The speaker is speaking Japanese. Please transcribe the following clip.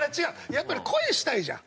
やっぱり恋したいじゃん？